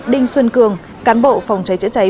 đinh xuân cường cán bộ phòng cháy chữa cháy